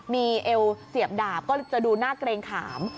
มีเอวเสียบดาบก็จะดูหน้าเกรงขาม